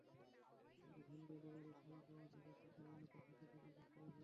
তাঁদের home delivery সেবা পাওয়া যাবে সকাল নয়টা থেকে বিকেল পাঁচটা পর্যন্ত।